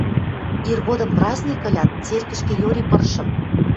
Иргодым праздник ылят, церкӹшкӹ йори пырышым.